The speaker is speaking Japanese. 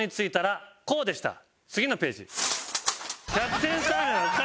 次のページ。